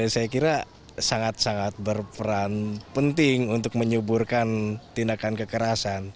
saya kira sangat sangat berperan penting untuk menyuburkan tindakan kekerasan